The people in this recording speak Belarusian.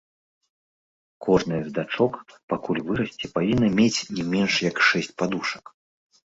Кожная з дачок, пакуль вырасце, павінна мець не менш як шэсць падушак.